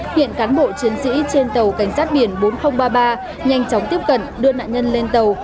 hiện cán bộ chiến sĩ trên tàu cảnh sát biển bốn nghìn ba mươi ba nhanh chóng tiếp cận đưa nạn nhân lên tàu